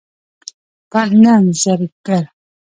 نه انځور ګر